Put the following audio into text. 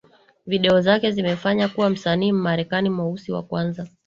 Video zake zimefanya kuwa msanii Mmarekani Mweusi wa kwanza